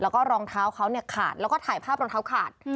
แล้วก็รองเท้าเขาเนี่ยขาดแล้วก็ถ่ายภาพรองเท้าขาด